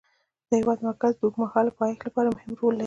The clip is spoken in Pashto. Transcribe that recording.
د هېواد مرکز د اوږدمهاله پایښت لپاره مهم رول لري.